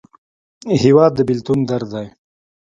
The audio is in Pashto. هېواد د بېلتون درد دی.